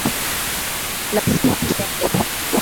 Lazima twende